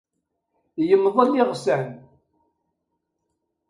Yemḍel iɣsan.